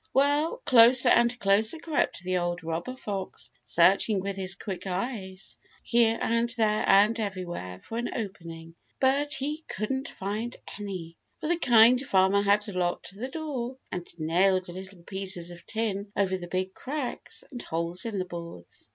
Well, closer and closer crept the old robber fox, searching with his quick eyes here and there and everywhere for an opening. But he couldn't find any, for the Kind Farmer had locked the door and nailed little pieces of tin over the big cracks and holes in the boards.